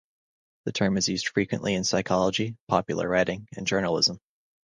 The term is used frequently in psychology, popular writing, and journalism.